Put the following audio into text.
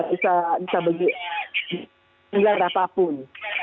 bisa bagi bisa berapapun